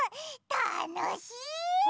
たのしい！